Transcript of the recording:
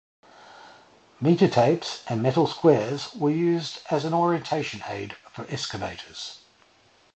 Meter tapes and metal squares were used as an orientation aid for excavators.